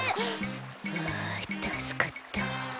あたすかった。